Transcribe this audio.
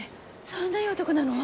そんないい男なの？